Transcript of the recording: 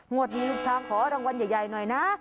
งวดมีรู้ชาขอรางวัลใหญ่หน่อยนะ